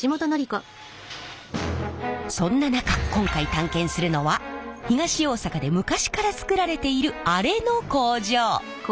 そんな中今回探検するのは東大阪で昔から作られているあれの工場。